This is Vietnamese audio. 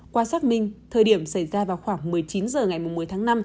qua xác minh thời điểm xảy ra vào khoảng một mươi chín h ngày một mươi tháng năm